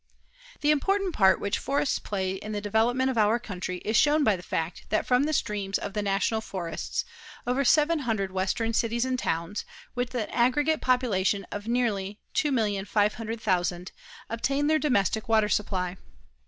The important part which forests play in the development of our country is shown by the fact that from the streams of the National Forests over 700 western cities and towns, with an aggregate population of nearly 2,500,000, obtain their domestic water supply.